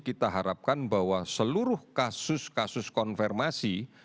kita harapkan bahwa seluruh kasus kasus konfirmasi